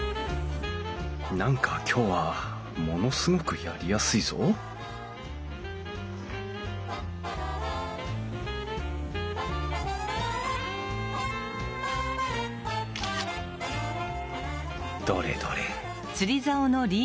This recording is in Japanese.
何か今日はものすごくやりやすいぞどれどれ？